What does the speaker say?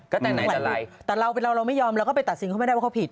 ก็แต่งตั้งหลายปีแต่เราเราไม่ยอมเราก็ไปตัดสินเขาไม่ได้ว่าเขาผิด